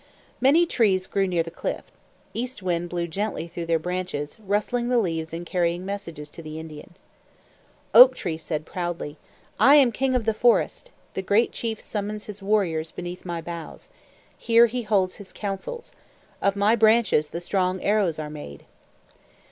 Many trees grew near the cliff. East Wind blew gently through their branches, rustling the leaves and carrying messages to the Indian. Oak Tree said proudly, "I am King of the Forest. The Great Chief summons his warriors beneath my boughs. Here he holds his councils. Of my branches the strong arrows are made."